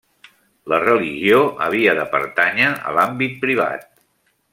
La religió havia de pertànyer a l’àmbit privat.